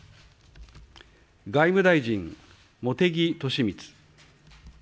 外務大臣、茂木敏充。